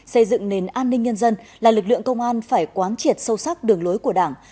xây dựng nền an ninh nhân dân là lực lượng công an phải quán triệt sâu sắc đường lối của đảng